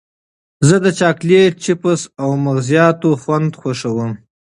زه د چاکلېټ، چېپس او مغزیاتو خوند خوښوم.